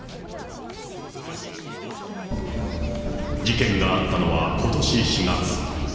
事件があったのはことし４月。